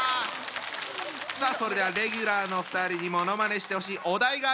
さあそれではレギュラーのお二人にものまねしてほしいお題がある人！